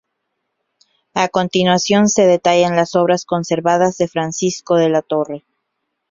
A continuación se detallan las obras conservadas de Francisco de la Torre.